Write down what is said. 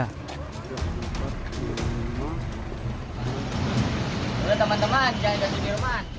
tidak teman teman jangan datang ke rumah